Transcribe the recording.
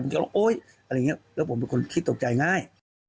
จะร้องโอ๊ยอะไรอย่างนี้แล้วผมเป็นคนคิดตกใจง่าย